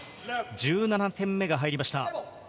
１７点目が入りました。